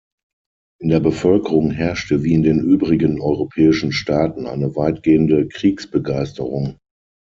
In der Bevölkerung herrschte, wie in den übrigen europäischen Staaten, eine weitgehende Kriegsbegeisterung.